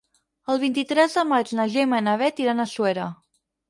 El vint-i-tres de maig na Gemma i na Bet iran a Suera.